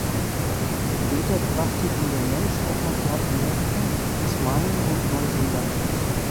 Später brachte ihn der Mensch auch nach Nordamerika, Tasmanien und Neuseeland.